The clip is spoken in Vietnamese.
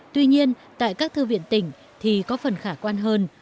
tuy nhiên tại các thư viện tỉnh thì có phần khả quan hơn